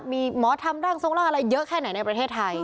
มีหมอทำร่างทรงร่างอะไรเยอะแค่ไหนในประเทศไทย